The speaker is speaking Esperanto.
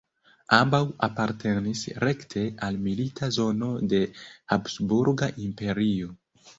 Ambaŭ apartenis rekte al milita zono de Habsburga Imperio.